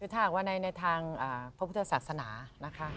ถ้าหากว่าในทางพระพุทธศาสนานะคะ